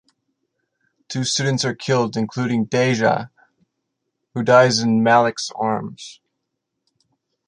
Two students are killed, including Deja, who dies in Malik's arms.